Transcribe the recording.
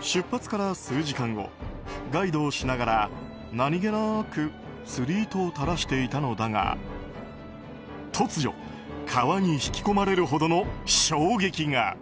出発から数時間後ガイドをしながら何気なく釣り糸を垂らしていたのだが突如川に引き込まれるほどの衝撃が。